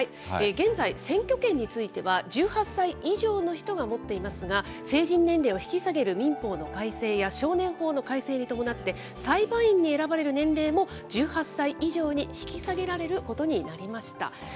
現在、選挙権については１８歳以上の人が持っていますが、成人年齢を引き下げる民法の改正や少年法の改正に伴って、裁判員に選ばれる年齢も１８歳以上に引き下げられることになりました。